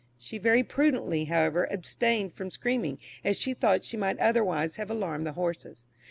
She very prudently, however, abstained from screaming, as she thought she might otherwise have alarmed the horses.